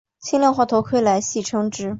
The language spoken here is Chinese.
轻量化头盔来戏称之。